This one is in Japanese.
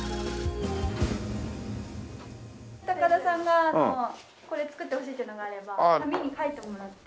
高田さんがこれ作ってほしいというのがあれば紙に書いてもらって。